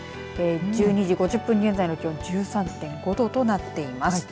１２時５０分現在の気温１３．５度となっています。